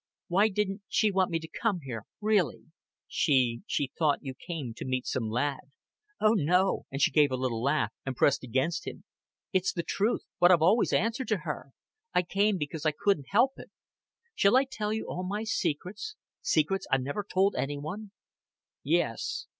"Why didn't she want me to come here really?" "She she thought you came to meet some lad." "Oh, no;" and she gave a little laugh, and pressed against him. "It's the truth, what I've always answered to her. I came because I couldn't help it. Shall I tell you all my secrets secrets I've never told any one?" "Yes."